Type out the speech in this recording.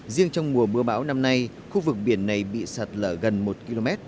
riêng trong mùa mưa bão năm nay khu vực biển này bị sạt lở gần một km